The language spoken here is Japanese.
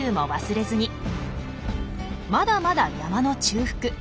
まだまだ山の中腹。